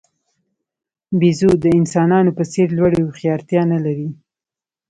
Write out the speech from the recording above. بیزو د انسانانو په څېر لوړې هوښیارتیا نه لري.